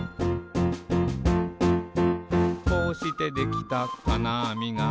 「こうしてできたかなあみが」